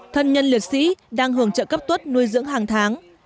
thân nhân liệt sĩ đang hưởng trợ cấp tuất nuôi dưỡng hàng tháng